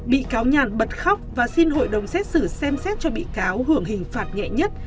bị cáo nhàn bật khóc và xin hội đồng xét xử xem xét cho bị cáo hưởng hình phạt nhẹ nhất